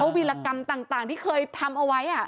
วิรกรรมต่างที่เคยทำเอาไว้